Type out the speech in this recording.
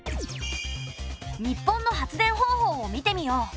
日本の発電方法を見てみよう。